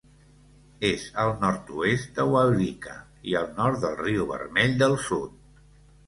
És al nord-oest de Waurika i al nord del riu Vermell del Sud.